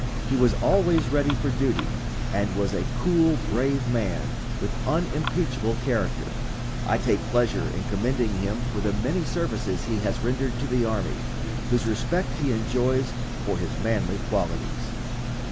He was always ready for duty, and was a cool, brave man, with unimpeachable character. I take pleasure in commending him for the many services he has rendered to the army, whose respect he enjoys for his manly qualities.